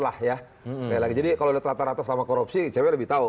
sekali lagi kalau dilihat rata rata sama korupsi cw lebih tahu